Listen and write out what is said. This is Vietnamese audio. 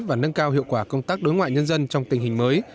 và nâng cao hiệu quả công tác đối ngoại nhân dân trong tình hình mới